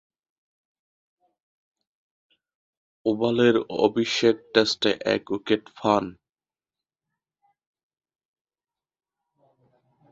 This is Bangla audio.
ওভালের অভিষেক টেস্টে এক উইকেট পান।